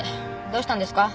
どうしたんですか？